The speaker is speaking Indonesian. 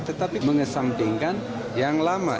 tetapi mengesampingkan yang lama